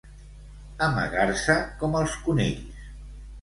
Amagar-se com els conills.